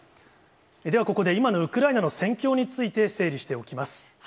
ではここで、今のウクライナの戦況について整理しておきます。